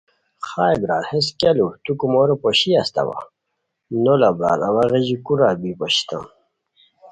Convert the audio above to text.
خائے برار ہیس کیہ لو؟ تو کومورو پوشی استاوا؟ نولہ برار اوا غیژی کورا بی پوشیتام